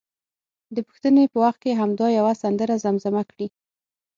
د پوښتنې په وخت کې همدا یوه سندره زمزمه کړي.